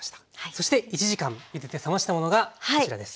そして１時間ゆでて冷ましたものがこちらです。